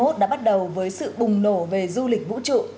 hai nghìn hai mươi một đã bắt đầu với sự bùng nổ về du lịch vũ trụ